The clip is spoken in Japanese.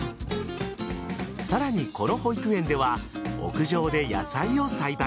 さらにこの保育園では屋上で野菜を栽培。